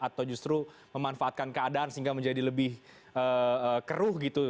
atau justru memanfaatkan keadaan sehingga menjadi lebih keruh gitu